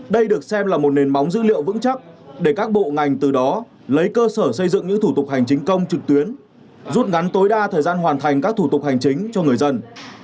đây được xem là một nền móng dữ liệu vững chắc để các bộ ngành từ đó lấy cơ sở xây dựng những thủ tục hành chính công trực tuyến rút ngắn tối đa thời gian hoàn thành các thủ tục hành chính cho người dân